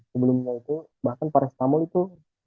sebelumnya itu bahkan paracetamol itu